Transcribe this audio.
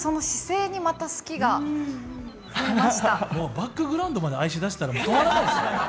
バックグラウンドまで愛しだしたらもう止まらないですよ。